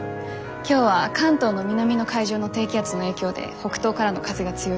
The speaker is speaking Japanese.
今日は関東の南の海上の低気圧の影響で北東からの風が強いです。